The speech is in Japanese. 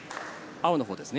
青のほうですね。